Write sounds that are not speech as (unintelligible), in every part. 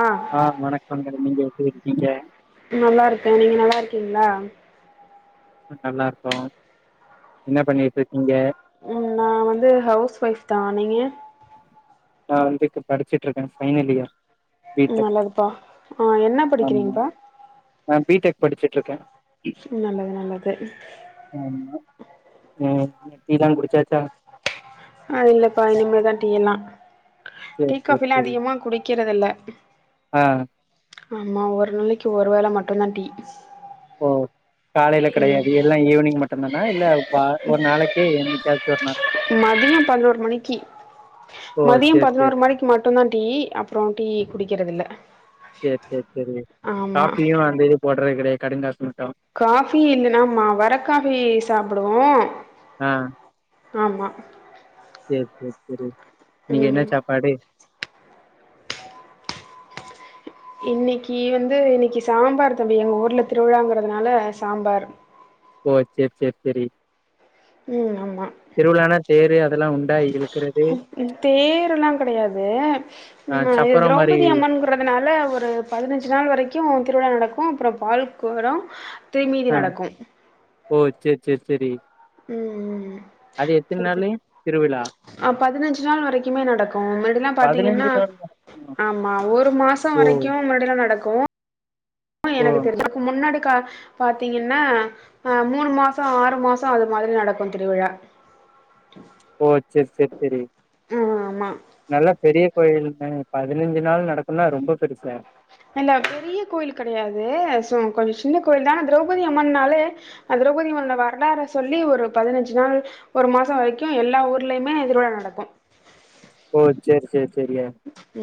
ஆ ஆ வணக்கங்க நீங்க எப்டி இருக்கிங்க நல்லாருக்கே நீங்க நல்லா இருக்கிங்ளா நல்லாருக்கோ என்ன பண்ணிட்டு இருக்கிங்க ம் நா வந்து ஹவுஸ் ஒய்ஃப்தா நீங்க நா வந்து இப்ப படிச்சிட்ருக்க ஃபைனல் இயர் பி டெக் நல்லதுப்பா என்ன ஆமா. படிக்கிறிங்ப்பா நா பி டெக் படிச்சுட்ருக்கே நல்லது நல்லது ம் டீ லா குடிச்சாச்சா ஆ இல்லப்பா இனிமேதா டீ எல்லாம் சேரி டீ சேரி காஃபி எல்லா சேரி. அதிகமா குடிக்கறது இல்ல ஆ ஆமா ஒரு நாளைக்கு ஒரு வேள மட்டுந்தா டீ ஓ காலையில ம் கெடையாது எல்லா ஈவினிங் மட்டுந்தானா இல்ல வ ஒரு நாளைக்கே என்னைக்காச்சு ஒரு நாள் மதிய பதினோரு மணிக்கு ஓ மதிய சேரி பதினோரு சேரி ம ணிக்கு மட்டுந்தா டீ அப்புற டீ குடிக்கிறது இல்ல சேர் சேர் செரி காபியு அந்த இது போடற கெடையா கடுங்காசன காஃபி இல்லனா ம வர காஃபி சாப்பிடுவோ ஆ ஆமா சேர் சேர் செரி இன்னைக்கு என்ன ம் சாப்பாடு இன்னைக்கு வந்து இன்னைக்கு சாம்பார் தம்பி எங்க ஊர்ல திருவிழாங்கிறதுனால சாம்பார் ஓகே செர் செரி ம் ஆமா அதெல்லா உண்டா இழுக்கறது? தேர்லாம் கிடையாது ஆ ம் இது சப்பரம் மாரி திரௌபதி அம்மன் ப்பறதுனால ஒரு பதினஞ்சு நாள் வரைக்கும் திருவிழா நடக்கும் அப்புறம் பால்கொடம் திமீதி ஆ நடக்கும் ஓ செரி செரி செரி ம் ம் ம் நாளு செரிதான் திருவிழா ஆ பதினஞ்சு நாள் வரைக்குமே நடக்கும் முன்னடியல்லாம் பதினஞ்சு பாத்தீங்கன்னா நாள் நடக்குமா ஆமா ஒரு மாசம் ஓ வரைக்கும் முன்னாடியிலாம் நடக்கும் ஓ எனக்கு தெரிஞ்சிருக்கும் இதுக்கு முன்னாடி கா பாத்தீங்கன்னா அ மூணு மாசோ ஆறு மாசோ அது மாறி நடக்கும் திருவிழா ஓ சேரி சேரி சேரி ம் ஆமா நல்லா பெரிய கோயில் பதினஞ்சு நாள் நடக்கும்னா ரொம்ப பெருசா ல்ல பெரிய கோயில் கிடையாது சோ கொஞ்சம் சின்ன கோயில் தான்னா திரௌபதி அம்மனாலே அப்புறம் கொஞ்சம் இந்த வரலாற சொல்லி ஒரு பதினஞ்சு நாள் ஒரு மாசம் வரைக்கும் எல்லா ஊர்லயுமே திருவிழா நடக்கும் ஓ செரி செரி செரிய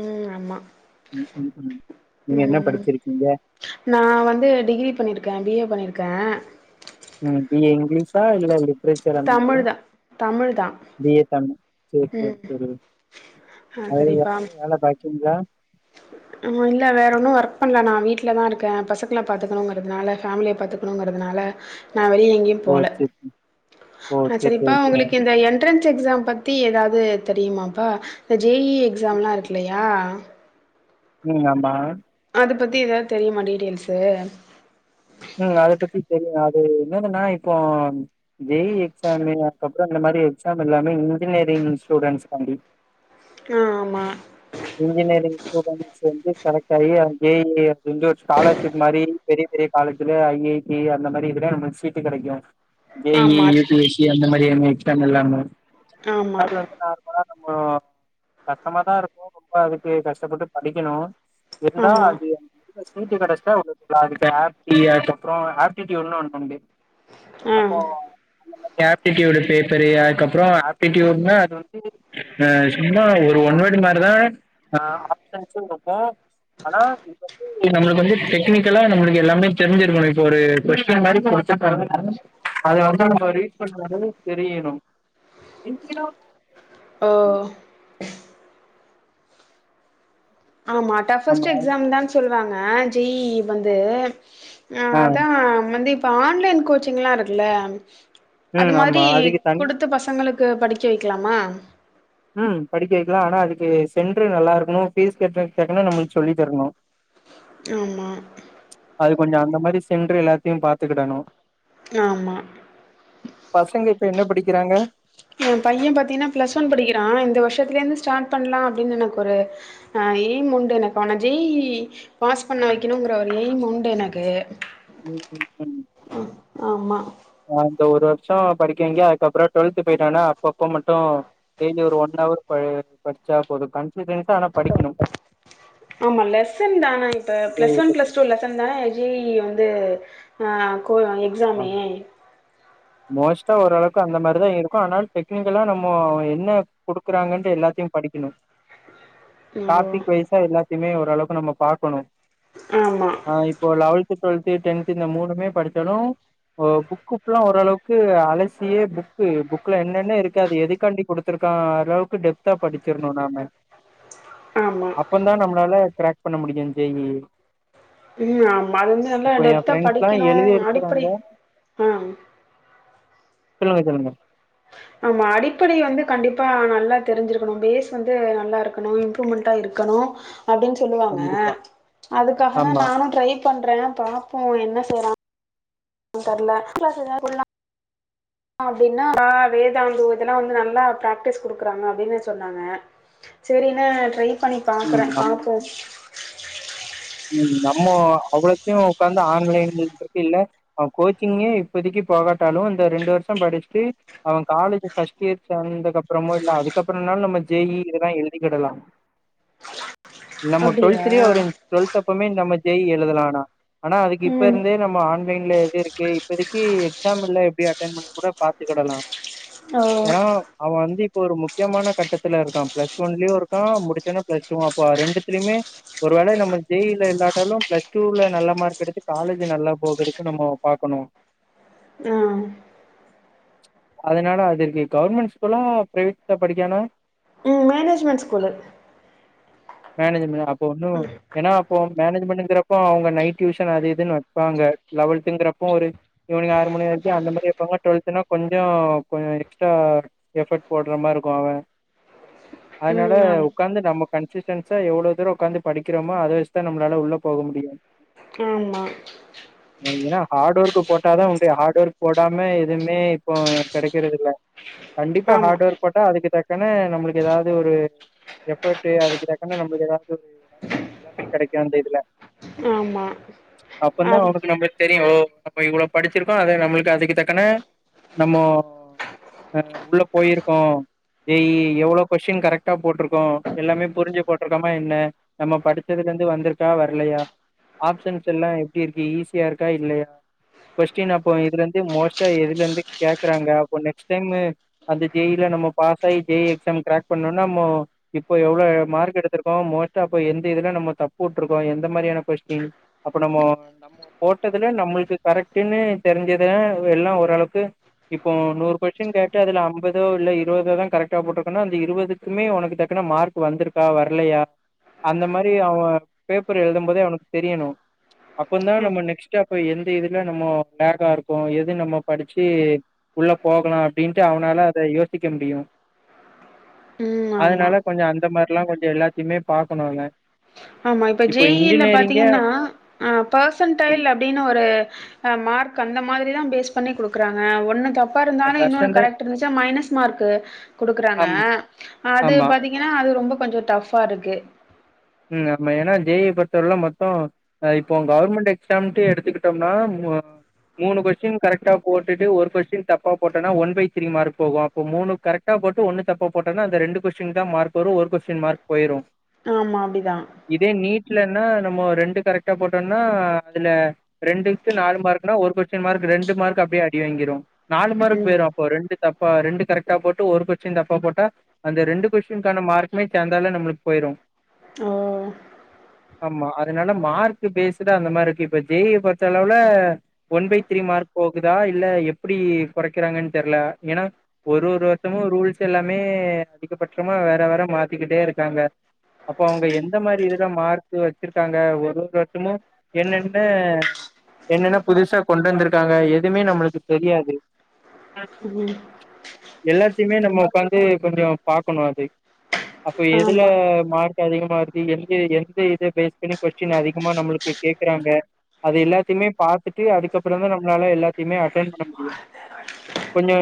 ம் ஆமா ம் ம் ம் நீங்க என்ன படிச்சிருக்கீங்க நான் வந்து டிகிரி பண்ணிருக்கேன் பி ஏ பண்ணிருக்கேன் ம் பி ஏ இங்கலீஷா இல்ல எப்டி லிட்ரேச்சர் அந்த மாறியா தமிழ் தா தமிழ் தா பி ஏ தமிழ் செரி செரி ம் செரி ஆ அது வேற ஏதும் வேல பாக்கிங்களா ஆ இல்ல வேற ஒன்னும் ஒர்க் பண்ணலா. நான் வீட்டுல தான் இருக்கன் பசங்கலாம் பாத்துக்கணுங்கறிறதுனால ஃபேமிலியை பாத்துக்க ங்கிறதுனால நான் வெளில எங்கேயும் ஓ போல சேரி சேரி. ஓ சேரி சரிப்பா சேரி உங்களுக்கு சேரி. இந்த என் என்ட்ரன்ஸ் எக்ஸாம் பற்றி ஏதாவது தெரியுமாப்பா இந்த ஜே இ எக்ஸாம்லாம் இருக்குல்லயா ம் ஆமா அது பத்தி ஏதாவது தெரியுமா டீட்டெயல்ஸு ம் அத பத்தி தெரியு அது இன்னாதுன்னா இப்போ ஜே இ எக்ஸால அதுக்கப்றோ இந்த மாறிஎக்ஸாம் எல்லாமே இன்ஜினியரிங் ஸ்டூடெண்ட்ஸுகாண்டி அ ஆமா இன்ஜினியரிங் ஸ்டூடெண்ட்ஸ் வந்து செலக்ட் ஆகி அ ஜெ இ அப்டின்ற ஸ்காலர்ஷிப் மாறி பெரிய பெரிய காலேஜ்ல ஐ ஐ டி அந்த மாறி இதுல நம்மளுக்கு சீட்டு கெடைக்கும் ஜெ இ ஆமா யூ பி எஸ் சி அந்த மாறி எக்ஸாம் எல்லாமு ஆமா ர நம்ம கஷ்டமாதா இருக்கு ரொம்ப அதுக்கு கஷ்டப்பட்டு படிக்கணு இருந்தா ஆமா அது சீட்டு கெடச்சிட்டா ஒரு (inaudible) அதுக் அப்றோ ஆப்டியூடுன்னு ஒன்னு உண்டு ஆ அப்போ அந்த மாறி ஆப்பிடியூடு பேப்பரு அதுக்கப்றோ ஆப்பிடுன்னா அது அ சும்மா ஒரு ஒன் வேடு மாறிதா அ ஆப்ஷன்ஸூ இருக்கும் ஆனா நம்முளுக்கு வந்து டெக்னிக்கலா நம்முளுக்கு எல்லாமே தெரிஞ்சிருக்கணு இப்ப ஒரு கொஸ்டின் மாறி குடுத்து இருப்பாருங்க அத வந்து நம்ம ரீட்பண்ண வந்து தெரியிணு ஒ ஆமா ஆமா டஃபஸ்ட்டு எக்ஸாம் தா சொல்வாங்க ஜெ இ வந்து ஆ அதா வந்து இப்ப ஆன்லைன் கோச்சிங்லா இருக்குல்ல அது ம் ஆமா மாரி அதுக்கு தனி குடுத்த பசங்களுக்கு படிக்க வக்கலாமா ம் படிக்க வக்கலா ஆனா அதுக்கு சென்ட்ரு நல்லாருக்கணு ஃபீஸ் கட்றதுக்கு தக்கன நம்மளுக்கு சொல்லி தரணு ஆமா அது கொஞ்சோ அந்த மாரி சென்ட்ரு எல்லாத்தையு பாத்துக்கிடணு ஆமா பசங்க இப்ப என்ன படிக்கிறாங்க ஏ பைய பாத்தீங்கன்னா ப்ளஸ் ஒன் படிக்கிறா இந்த வருஷத்துலேர்ந்து ஸ்டார்ட் பண்லா அப்டின்னு எனக் ஒரு ஆ எய்முண்டு எனக்கு ஆனா ஜெ இ பாஸ் பண்ண வக்கிணுங்கிற ஒரு எய்ம் உண்டு எனக்கு ரோல் பில் பண்ணு ஆமா ஆ இந்த ஒரு வருஷோ படிக்க வைங்க அதுக்கப்றோ டுவெல்த்து போயிட்டானா அப்பப்ப மட்டு டெய்லி ஒரு ஒன் அவர் ப படிச்சா போது கன்ஃபிஷன் ஆமா லெசன் தானாங் இப்ப ஜே பிளஸ் இ ஒன் பத்தி பிளஸ் டூ லெச ந்தான் ஜெ இ வந்து ஆ கோ ஆ. எக்ஸாமே மோஸ்ட்டா ஓரளவுக்கு அந்த மாரிதா இருக்கும் ஆனா டெக்னிக்கலா நம்மோ என்ன குடுக்குறாங்கன்டு எல்லாத்தையு படிக்கிணு ம் டாப்பிக் வய்சா எல்லாத்தையுமே ஓரளவுக்கு நம்ம பாக்கணு ஆமா ஆ இப்போ லவல்த்து டுவெல்த்து டென்த்து இந்த மூணுமே படிச்சாலு ஓ புக்கு ஃபுல்லா ஓரளவுக்கு அலசியே புக்கு புக்ல என்னென்ன இருக்கு அது எதுக்காண்டி குடுத் ருக்கா அளவுக்கு டெப்தா படிச்சிருணு நாம ஆமா அப்பந்தா நம்மளால கிராக் பண்ண முடியு ஜெ இ ம் ஆமா அது வந்து நல்லா இப்ப என் டெப்த்தா ஃப்ரெண்ட்ஸ்லா படிக்கணு எழுதி அடிப்படை இருக்கிறாங்க ஆ சொல்லுங்க சொல்லுங்க ஆமா அடிப்படை வந்து கண்டிப்பா நல்லா தெரிஞ்சிருக்கணு பேஸ் வந்து நல்லா இருக்கணு இம்ப்ரூவ்மெண்ட்டா இருக்கணு அப்டின்னு சொல்லுவாங்க கண்டிப்பா அதுக்காகதா ஆமா நானு ட்ரைப் பண்றே பாப்போ என்ன செய்றான் தெர்ல ஸ்பெஷல் க்ளாஸு எதனா உட்லா அப்டின்னா வேதா இந்த இதெல்லா வந்து நல்லா பிராக்டிஸ் குடுக்குறாங்க அப்டின்னு சொன்னாங்க செரின்னு ட்ரை பண்ணி ம் பாக்குற நம் பாப்போ ம் நம்மோ அவ்ளோத்தியு உக்காந்து ஆன்லைன்ட்டு இருக்குல்ல அவன் கோச்சிங்கே இப்பதிக்கு போகாட்டாலு இந்த ரெண்டு வருஷம் படிஸ்ட்டு அவ காலேஜ் ஃபஸ்ட் இயர் சேந்தக்கப்பறமோ இல்ல அதுக்கப்பறன்னாலு நம்ம ஜே இ இதலா எழுதிக்கிடலா நம்ம அப்டியா டுவெல்த்துலேயே வரு டுவெல்த்தப்பமே நம்ம ஜே இ எழுதலா ஆனா ஆனா அதுக்கு ம் இப்பருந்தே நம்ம ஆன்லைன்ல எது இருக்கு இப்பதக்கி எக்ஸாம்ல்ல எப்டி அட்டன் பண்ண கூட பாத்துக்கிடலா ஓ ஏனா அவ வந்து இப்ப ஒரு முக்கியமான கட்டத்துல இருக்கா பிளஸ் ஒன்லயு இருக்கா முடிச்சோன்னே பிளஸ் டூவு அப்ப ரெண்டுத்துலயுமே ஒரு வேள நம்ம ஜே இ ல இல்லாட்டாலு பிளஸ் டூல நல்ல மார்க் எடுத்து காலேஜ் நல்லா போகறக்கு நம்ம பாக்கணு ஆ அதுனால அது இருக்கு கவர்மெண்ட் ஸ்கூலா பிரைவேட்ல படிக்கானா மேனேஜ்மெண் ஸ்கூலு மேனேஜ்மெண் அப்ப ஒன்னு ஏன்னா அப்போ மேனேஜ்மெண்னுங்கறப்போ அவுங்க நைட் டியூஷன் அது இதுன்னு வெப்பாங்க லெவல்த்துங்கறப்போ ஒரு ஈவ்னிங் ஆறு மணி வர்க்கு அந்த மாரி வெப்பாங்க டுவெல்த்னா கொஞ்சொ கொஞ் எக்ஸ்ட்ரா எஃபட் போட்ற மாருக்கு அவெ அதுனால ம் உக்காந்து நம்ம கன்சிஸ்டென்ஸா எவ்ளோ தூர உக்காந்து படிக் க்றமோ அத வச்தா நம்ளால உள்ள போக முடியு அ ம் எனா ஹாட் ஒர்க்கு போட்டாதா உண்டு ஹாட் ஒர்க் போடாம எதுமே இப்போ கெடக்கறதில்ல கண்டிப்பா ஆமா ஹார்ட் ஒர்க் போட்டா அதுக்கு தக்கன நம்ளுக்கு எதாவது ஒரு எஃபர்ட்டு அதுக்கு தக்கன நம்புள்க்கு எதாவுது ஒரு எல்லாமே கெடைக்கு அந்த இதுல ஆம்மா அப்புன்னா அவனுக்கு நம்பக்கு தெரியு ஓ நம்ம இவ்வளோ படிச்சிருக்கோ அத நம்மளுக்கு அதுக்கு தக்கன நம்மோ அ உள்ள போயிருக்கோ ஜே இ எவ்ளோ கொஷ்ஷின் கரெக்டா போட்டுருக்கோ எல்லாமே புரிஞ்சு போட்ருக்கொமா என்ன நம்ம படிச்சதுலந்து வந்துருக்கா வர்லையா ஆப்ஷன்ஸ் எல்லா எப்டி இருக்கு ஈஸியாருக்கா இல்லையா கொஸ்டின் அப்போ இதுலந்து மோஸ்ட்டா எதுலந்து கேக்குறாங்க அப்போ நெக்ஸ்ட் டைமு அந்த ஜே இ ல நம்ம பாஸாயி ஜே இ எக்ஸாம் கிராக் பண்ணோன்னா மோ இப்போ எவ்ளோ மார்க்கு எடுத்துர்க்கோ மோ தப்பு எந்த இதுல நம்ம தப்போட்ருக்கோ எந்த மாரியான கொஸ்டீன் அப்போ நம்மோ நம் நம்மோ போட்டதுல நம்மள்க்கு கரெக்டுன்னு தெரிஞ்சது எல்லா ஒரளவுக்கு இப்போ நூறு கொஸ்ஷின் கேட்டு அதுல அம்பதோ இல்ல இருவதோதா கரெக்டா போட்டிருக்கன்னா அந்த இருவதுக் க்குமே ஒனக்கு தக்குன மார்க் வந்த்ருக்கா வர்லையா அந்த மாரி அவ பேப்பர் எழுதம்போதே அவனுக் தெரியணு அப்பந்தா நம்ம நெக்ஸ்ட் அப்ப எந்த இதுல நம்மோ லேகாருக்கோ எது நம்ம படிச்சி உள்ள போகனு அப்டின்ட்டு அவனால அத யோசிக்க முடியு ம் ஆமா அதுனால கொஞ்சொ அந்த மார்ல்லா கொஞ்சொ எல்லாத்தியுமே பாக்கணு அவெ ஆம்மா இப்ப ஜே இ ல்ல பாத்தீங்கன்னா அ பர்சன்டைல் ம் அப்டின்னு ஒரு அ மார்க் அந்த மாதிரிதா பேஸ் பண்ணி குடுக்குறாங்க ஒண்ணு தப் நம்ம தப்பாருந்தாலு இன்னொன்னு பெர்சன்டே கரெக்ட்ருந்துச்சி மைனஸ் மார்க்கு குடுக்கறாங்க ஆம் அது ஆமா பாத்திங் எனா அது ரொம்ப கொஞ்சொ டஃப்பாருக்கு ம் ஆம்ம எனா ஜே இ ய பொருத்த வர்லு மொத்தொ அ இப்போ கவர்மெண்ட் எக்ஸாம்ட் எடுத்துக்கிட்டம்னா இன்னு மூணு கொஸ்டின் கரெக்டா போட்டுட்டு ஒரு கொஸ்டின் தப்பா போட்டன்னா ஒன் பை த்ரீ மார்க் போகு இப்போ மூனு கரெக்டா போட்டு ஒன்னு தப்பு போட்டனா அந்த ரெண்டு கொஸ்டின் தா மார்க் வரு ஒரு கொஸ்டின் மார்க் பொய்ரு ஆம்மா அப்டிதா இதே நீட்லன்னா நம்மோ ரெண்டு கரெக்டா போட்டொன்னா அதுல ரெண்டுக்கு நாலு மார்க்குனா ஒரு கொஸ்டின் மார்க் ரெண்டு மார்க் அப்டே அடி வாங்கிரும் நாலு மார்க்கு ம். பொய்ரு இப்போ ரெண்டு தப்பா ரெண்டு கரெக்டா போட்டு ஒரு கொச்சின் தப்பா போட்டா அந்த ரெண்டு கொஸ்டின்கான மார்குமே சேந்தால நம்மளுக்கு பொய்ரு ஒ ஆம்மா அதுனால மார்க் பேஸுடா அந்த மாருக்கு இப்ப ஜெ இய பொர்த்த அளவுல ஒன் பை த்ரீ மார்க் போகுதா இல்ல எப்புடி கொறைக்குறாங்கன் தெர்ல எனா ஒரு ஒரு வருசமு ரூல்ஸ் எல்லாமே அதிகபட்சமா வேற வேற மாத்திக்கிட்டே இருக்காங்க அப்ப அவுங்க எந்த மாரி இதுல மார்க்கு வெச்சிருக்காங்க ஒரு ஒரு வருஷமு என்னென்ன என்னென்ன புதுசா கொண்டு வந்துருக்காங்க எதுமே நம்மள்க்கு தெரியாது ம் எல்லாத்தையுமே நம்ம உக்காந்து கொஞ்சோ பாக்கணு அது அப்போ எதுல ஆமா. மார் அதிகமாருக்கு எங்க எந்த இத பேஸ் பண்ணி கொஸ்டின் அதிகமா நம்மளுக்கு கேக்கறாங்க அதெல்லாத்தையுமே பாத்துட்டு அதுக்கப்புறந்தான் நம்பளால எல்லாத்தையுமே அட்டன் பண்ண முடியு கொஞ்சோ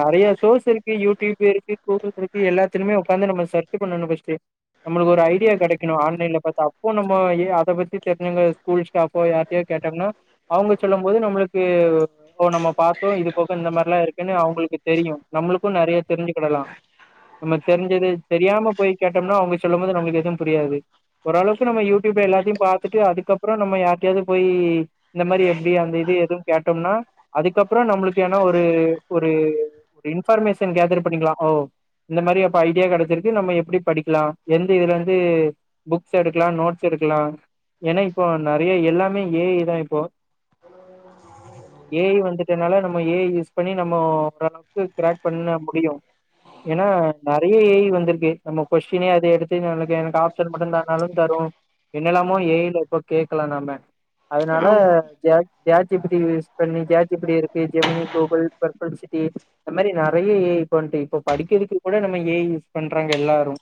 நெறையா சோர்ஸ் இருக்கு யூடியூப் இருக்கு கூகுள் இருக்கு எல்லாத்துலயுமே உக்காந்து நம்ம சர்டு பண்ணணு ஃபர்ஸ்ட்டு நம்மளுக்கு ஒரு ஐடியா கெடை க்கு ஆன்லைன்ல பாத்தோ அப்பு நம்ம ஏன் அத பத்தி தெரிஞ்சவங்க ஸ்கூல் ஸ்டாபோ யார்ட்டயோ கேட்டம்ன்னா அவுங்க சொல்லும்போது நம்மள்க்கு ஓ நம்ம பாத்தோ இது போக இந்த மாரில்லா இருக்குன்னு அவுங்களுக்கு தெரியு நம்மளுக்கு நெறையி தெரிஞ்சுக்கிடலா நம்ம தெரிஞ்சது தெரியாம போய் கேட்டம்னா அவுங்க சொல்லும்போது நம்மளுக்கு எதுவும் புரியாது ஓரளவுக்கு நம்ம யூடியூப்ல எல்லாத்தையும் பாத்துட்டு அதுக்கப்றோ நம்ம யார்ட்டயாவது போய் இந்த மாரி எப்டி அந்த இது எதுவும் கேட்டம்னா அதுக்கப்றோ நம்மளுக்கு ஏனா ஒரு ஒரு இன்பர்மேஷன் கேதர் பண்ணிக்கலா ஓ இந்த மாரி அப்ப ஐடியா கெடச்சிருச்சு நம்ம எப்டி படிக்கலா எந்த இதுல து புக்ஸ் எடுக்கலா நோட்ஸ் எடுக்கலா ஏனா இப்போ நெறையா எல்லாமே ஏ ஐதான் இப்போ ஏ ஐ வந்துட்டனால நம்ம ஏ ஐ யூஸ் பண்ணி நம்ம ஓரளவுக்கு கிராக் பண்ண முடியு ஏனா நெறையா ஏ ஐ வந்திருக்கு நம்ம கொஸ்டினே அதே எடுத்து நல்ல எனக்கு ஆப்ஷன் மட்டுந்தான் ஆனாலு தரு என்னெல்லாமோ ஏ ஐல இப்ப கேக்கலா நம்ம அதனால ஆமா. ஜாக் chat G P T use பண்ணி ஜாட் ஜீ பி டி இருக்கு ஜெமினி கூகுள் பர்பள் சிட்டி அந்த மாரி நெறையா ஏ ஐ இப்ப வந்ட்டு இப்ப படிக்கறதுக்கு கூட நம்ம ஏ ஐ யூஸ் பண்றாங்க எல்லாரு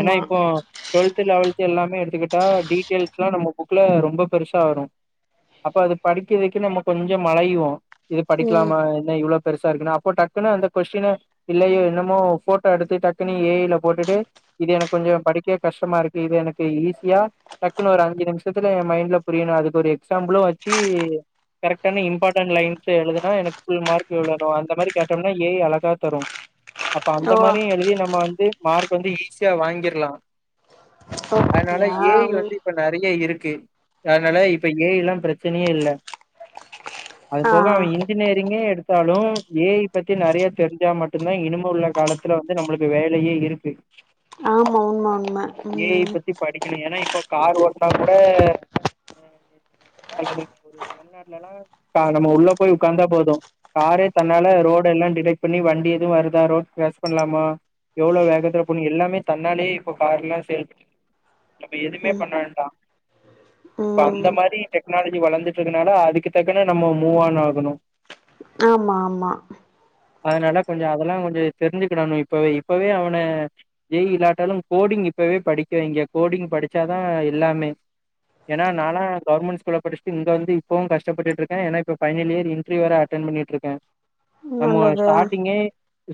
ஏனா இப்போ டுவெல்த்து லெவெல்த்து எல்லாமே எடுத்துக்கிட்டா டீட்டெய்ல்ஸ்லா நம்ம புக்ல ரொம்ப பெருசா வரு அப்ப அது படிக்க வைக்க நம்ம கொஞ்சோ மளையுவோ இது ம். படிக்கலாமா என்ன இவ்ளோ பெருசா இருக்குன்னு அப்போ டக்குன்னு அந்த கொஸ்டினு இல்லையே என்னமோ போட்டோ எடுத்து டக்குனு ஏ ஐல போட்டுட்டு இது எனக்கு கொஞ்சோ படிக்க கஷ்டமாருக்கு இது எனக்கு ஈஸியா டக்குன்னு ஒரு அஞ்சு நிமிஷத்துல என் மைண்ட்ல புரியணு அதுக்கு ஒரு எக்ஸாம்புளு வெச்சு கரெக்டான இம்பார்டண் லைன்ஸ் எழுதுனா எனக்கு புல் மார்க் இவ்ளோ வேனு அந்த மாரி கேடம்னா ஏ ஐ அழகா தரு அப்ப ஓ! அந்த மாரியு எழுதி நம்ம வந்து மார்க் வந்து ஈஸியா வாங்கிர்லா அதனால அப்டியா? ஏ ஐ ம். வந்து இப்ப நெறையா இருக்கு அதனால இப்ப ஏ ஐ எல்லா பிரச்சனையே இல்ல ஆ. அதுபோக அவன் இன்ஜினியரிங்கே எடுத்தாலு ஏ ஐ பத்தி நெறையி தெரிஞ்சா மட்டுந்தான் இனிமே உள்ள கால துல வந்து நம்மளுக்கு வேலையே இருக்கு ஆமா உண்ம ஏ ஐ ம். பத்தி படிக்கணு ஏனா இப்ப கார் ஓட்னா கூட (unintelligible) ஒரு வெளிநாட்ல எல்லா நம்ம உள்ள போய் உக்காந்தா போது காரே தன்னால ரோடெல்லா டிடக்ட் பண்ணி வண்டி எதுவு வருதா ரோட் கிராஸ் பண்லாமா எவ்ளோ வேகத்துல இப்ப எல்லாமே தன்னாலே இப்ப கார்லா சேல் நம்ம எதுமே ம். பண்ண வேண்டா இப்ப அந்த ம். மாரி டெக்னாலஜி வளர்ந்துட்டு இருக்குனால அதுக்கு தக்கன்ன நம்ம மூவ் ஆன் ஆகணு (inaudible) ஆமா ஆமா அதுனால கொஞ்ச அதெல்லா கொஞ்ச தெரிஞ்சுக்கிடனு இப்பவே இப்பவே அவன ஜெ இ இல்லாட்டாலு கோடிங் இப்பவே படிக்க வைங்க கோடிங் படிச்சாதா எல்லாமே ஏனா நாலா கவர்மெண்ட் ஸ்கூல்ல படிச்சிட்டு இங்க வந்து இப்பவு கஷ்டப்பட்டுட்டு இருக்கே ஏனா இப்ப ஃபைனல் இயர் இன்ட்ரீ வேற அட்டன் பண்ணிட்டு இருக்கே நம்ம நல்லது. ஸ்டாடிங்கே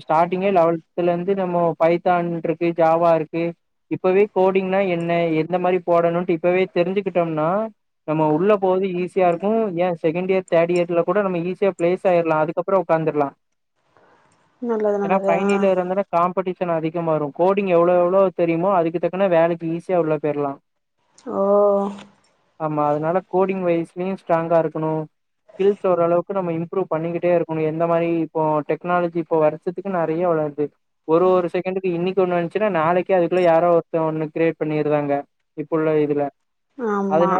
ஸ்டார்டிங்கே லெவல்த்துல இருந்து நம்மோ பை த்தான் இருக்கு ஜாவா இருக்கு இப்பவே கோடிங்னா என்ன எந்த மாரி போடணுன்ட்டு இப்பவே தெரிஞ்சுக்கிட்டோம்னா நம்ம உள்ள போகுது ஈஸியா இருக்கு ஏன் செகண்ட் இயர் தேர்ட் இயர்ல கூட நம்ம ஈஸியா ப்ளேஸ் ஆயிர்லா அதுக்கப் புற உட்காந்துரலா நல்லது ஏனா நல்லது ஃபைனல் ஆ இயர் வந்தோனே காம்படீஷன் அதிகமாயிரு கோடிங் எவ்ளோ எவ்ளோ தெரியுமோ அதுக்கு தக்கன்ன வேலைக்கு ஈஸியா உள்ள போயிர்லா ஓ ஆமா அதுனால கோடிங் வயஸ்லயு ஸ்ட்ராங்கா இருக்கணு ஸ்கில்ஸ் ஓரளவுக்கு நம்ம இம்ப்ரூவ் பண்ணிக்கிட்டே இருக்கணு எந்த மாரி இப்போ டெக்னாலஜி இப்போ வரு ஷத்துக்கு நறைய வளர்து ஒரு ஒரு செகன்டுக்கு இன்னைக்கு ஒண்ணு வந்துச்சுன்னா நாளைக்கு அதுக்குள்ள யாரோ ஒருத்த ஒன்னு கிரேட் பண்ணிருதாங்க இப்ப உள்ள இதுல ஆமா அதனால